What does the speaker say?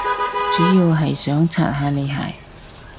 主要係想刷下你鞋